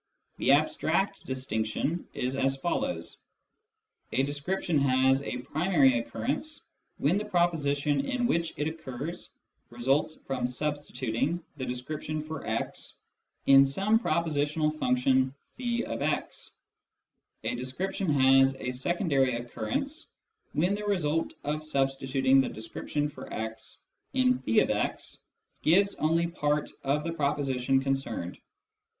The abstract distinction is as follows. A descrip tion has a " primary " occurrence when the proposition in which it occurs results from substituting the description for " x " in some prepositional function <j>x ; a description has a " secondary " occurrence when the result of substituting the description for x in <j>x gives only fart of the proposition con cerned.